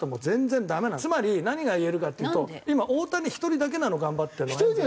つまり何が言えるかっていうと今大谷１人だけなの頑張ってるの。